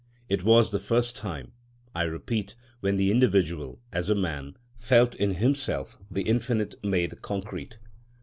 It was the first time, I repeat, when the individual, as a man, felt in himself the Infinite made concrete.